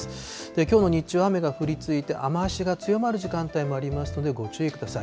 きょうの日中、雨が降り続いて雨足が強まる時間帯もありますのでご注意ください。